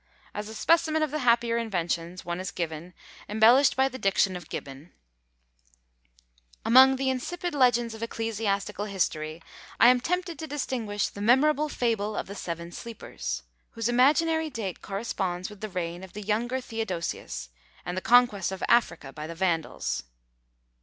As a specimen of the happier inventions, one is given, embellished by the diction of Gibbon "Among the insipid legends of ecclesiastical history, I am tempted to distinguish the memorable fable of the Seven Sleepers; whose imaginary date corresponds with the reign of the younger Theodosius, and the conquest of Africa by the Vandals.